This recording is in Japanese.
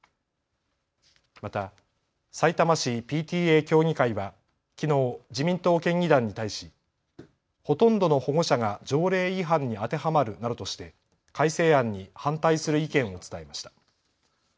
また、さいたま市ＰＴＡ協議会はきのう自民党県議団に対しほとんどの保護者が条例違反に当てはまるなどとして改正案に反対する意見を伝えました。